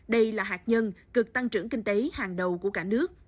đây là hạt nhân cực tăng trưởng kinh tế hàng đầu của cả nước